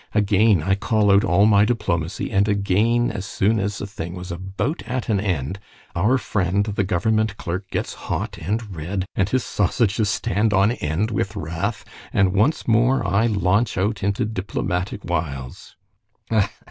Again I call out all my diplomacy, and again as soon as the thing was about at an end, our friend the government clerk gets hot and red, and his sausages stand on end with wrath, and once more I launch out into diplomatic wiles."